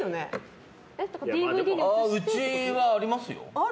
うちはありますよ。